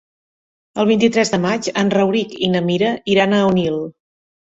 El vint-i-tres de maig en Rauric i na Mira iran a Onil.